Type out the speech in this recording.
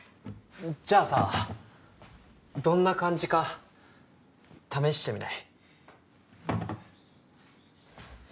じゃあさどんな感じか試してみない？